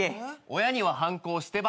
親には反抗してばっか。